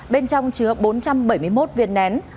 bên trong chứa bốn trăm bảy mươi một viên nén